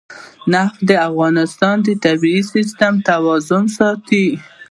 نفت د افغانستان د طبعي سیسټم توازن ساتي.